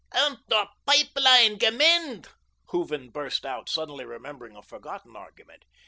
"UND DER PIPE LINE GE MEND," Hooven burst out, suddenly remembering a forgotten argument.